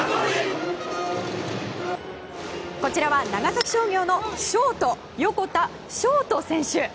こちらは長崎商業のショート、横田星大選手。